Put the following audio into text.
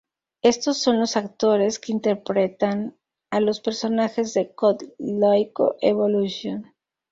Estos son los actores que interpretan a los personajes en "Code Lyoko: Evolution".